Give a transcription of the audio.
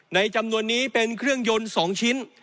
จำนวนนี้เป็นเครื่องยนต์๒ชิ้น